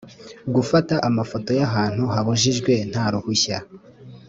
gufata amafoto y ahantu habujijwe nta ruhushya